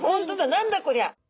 何だこりゃ！